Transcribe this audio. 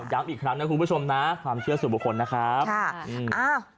ย้ำอีกครั้งนะคุณผู้ชมความเชื่อสุโมขลนะครับ